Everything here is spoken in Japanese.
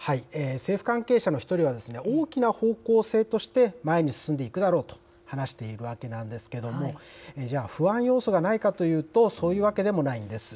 政府関係者の１人は、大きな方向性として、前に進んでいくだろうと話しているわけなんですけれども、じゃあ不安要素がないかというと、そういうわけでもないんです。